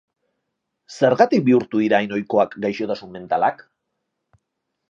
Zergatik bihurtu dira hain ohikoak gaixotasun mentalak?